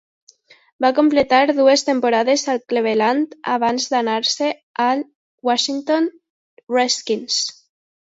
Va completar dues temporades al Cleveland abans d"anar-se"n als Washington Redskins.